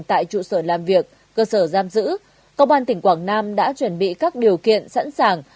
tại trụ sở làm việc cơ sở giam giữ công an tỉnh quảng nam đã chuẩn bị các điều kiện sẵn sàng